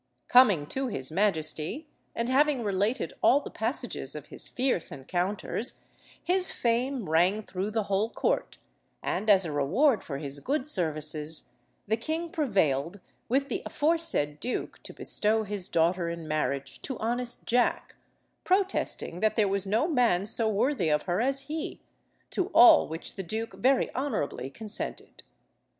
Coming to his majesty, and having related all the passages of his fierce encounters, his fame rang through the whole court, and, as a reward for his good services, the king prevailed with the aforesaid duke to bestow his daughter in marriage to honest Jack, protesting that there was no man so worthy of her as he, to all which the duke very honourably consented.